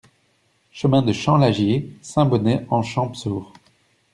Chemin de Champ Lagier, Saint-Bonnet-en-Champsaur